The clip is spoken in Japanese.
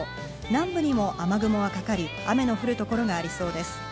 南部にも雨雲はかかり、雨の降る所がありそうです。